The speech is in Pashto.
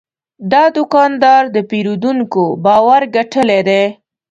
دا دوکاندار د پیرودونکو باور ګټلی دی.